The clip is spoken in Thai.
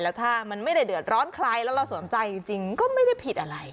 แล้วถ้ามันไม่ได้เดือดร้อนใครแล้วเราสนใจจริงก็ไม่ได้ผิดอะไร